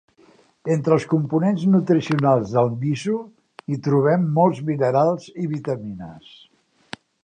Entre els components nutricionals del miso hi trobem molts minerals i vitamines.